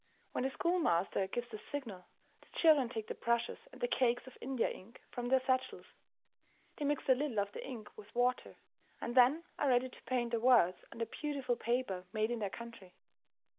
When the schoolmaster gives the signal, the children take the brushes and the cakes of India ink from their satchels. They mix a little of the ink with water, and then are ready to paint their words on the beautiful paper made in their country.